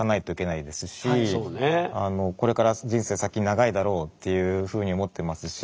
これから人生先長いだろうっていうふうに思ってますし。